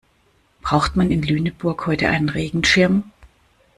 Braucht man in Lüneburg heute einen Regenschirm?